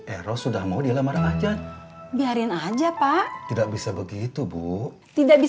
eros sudah mau dilamar aja biarin aja pak tidak bisa begitu bu tidak bisa